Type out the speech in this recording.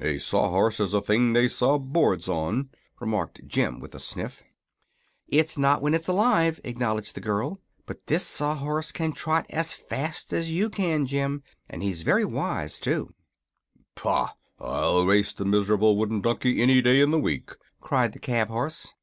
"A sawhorse is a thing they saw boards on," remarked Jim, with a sniff. "It is when it's not alive," acknowledged the girl. "But this sawhorse can trot as fast as you can, Jim; and he's very wise, too." "Pah! I'll race the miserable wooden donkey any day in the week!" cried the cab horse.